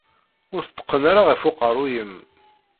Ur t-tteqqen ara ɣer uqerruy-im.